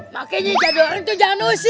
makanya jadwal orang itu jangan usil